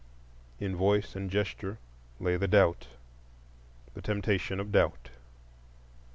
_" In voice and gesture lay the doubt—the temptation of Doubt.